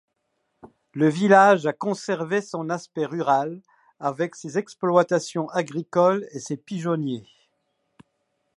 Le village a conservé son aspect rural, avec ses exploitations agricoles et ses pigeonniers.